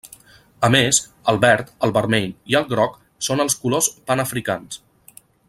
A més, el verd, el vermell i el groc són els colors panafricans.